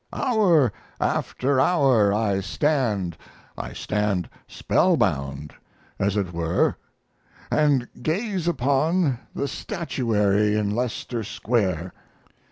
Hour after hour I stand I stand spellbound, as it were and gaze upon the statuary in Leicester Square.